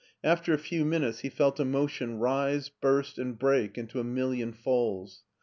After a few minutes he felt a motion rise, burst, and break into a million falls.